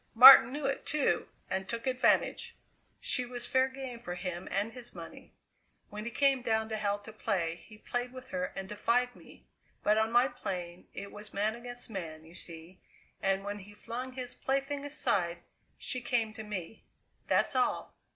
Martin knew it, too, and took advantage. She was fair game for him and his money. When he came down to hell to play, he played with her and defied me. But on my plane it was man against man, you see, and when he flung his plaything aside, she came to me; that's all!